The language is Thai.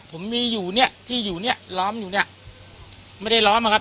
ผมมีอยู่เนี่ยที่อยู่เนี่ยล้อมอยู่เนี่ยไม่ได้ล้อมนะครับ